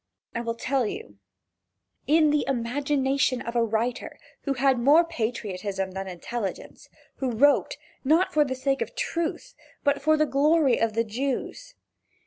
I will tell you: In the imagination of a writer who had more patriotism than intelligence, and who wrote, not for the sake of truth, but for the glory of the Jews.